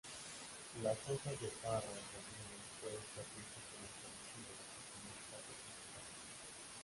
Las hojas de parra rellenas pueden servirse como aperitivo o como plato principal.